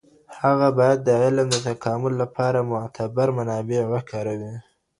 هغه باید د علم د تکامل لپاره معتبر منابع وکاروي.